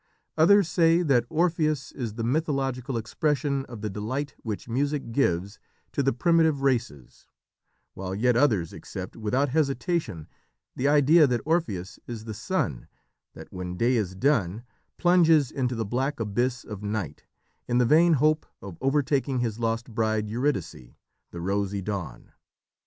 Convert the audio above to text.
Others say that Orpheus is "the mythological expression of the delight which music gives to the primitive races," while yet others accept without hesitation the idea that Orpheus is the sun that, when day is done, plunges into the black abyss of night, in the vain hope of overtaking his lost bride, Eurydice, the rosy dawn.